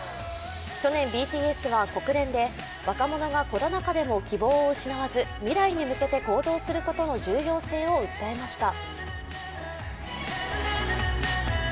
去年、ＢＴＳは国連で若者がコロナ禍でも希望を失わず未来に向けて行動することの重要性を訴えました。